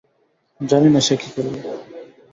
জানি না সে কী করবে!